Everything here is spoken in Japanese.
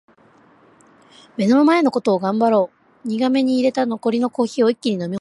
「目の前のことを頑張ろう」苦めに淹れた残りのコーヒーを一気に飲み干した。